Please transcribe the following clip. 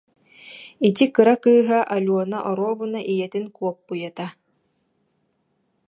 Ити кыра кыыһа Алена оруобуна ийэтин куоппуйата